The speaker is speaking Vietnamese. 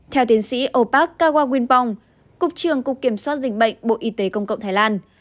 theo tiến sĩ opak kawawinpong cục trường cục kiểm soát dịch bệnh bộ y tế công cộng thái lan